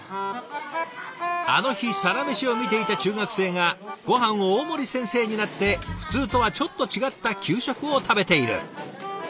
あの日「サラメシ」を見ていた中学生がごはん大盛り先生になって普通とはちょっと違った給食を食べている。